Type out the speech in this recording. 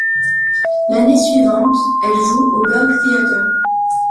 L'année suivante, elle joue au Burgtheater.